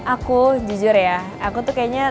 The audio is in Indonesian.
aku jujur ya aku tuh kayaknya